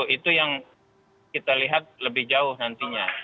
itu yang kita lihat lebih jauh nantinya